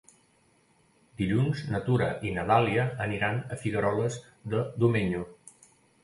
Dilluns na Tura i na Dàlia aniran a Figueroles de Domenyo.